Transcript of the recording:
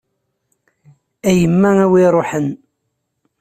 A yemma a wi iṛuḥen.